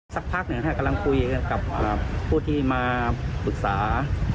สักพักหนึ่งกำลังคุยกับผู้ที่มาปรึกษา